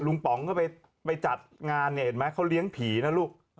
ลุงป๋องก็ไปจัดงานเขาเลี้ยงผีนะลูก